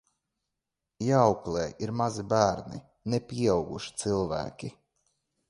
Jāauklē ir mazi bērni, ne pieauguši cilvēki.